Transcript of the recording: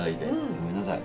ごめんなさい。